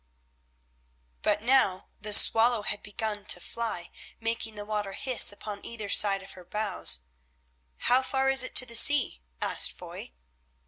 But now the Swallow had begun to fly, making the water hiss upon either side of her bows. "How far is it to the sea?" asked Foy.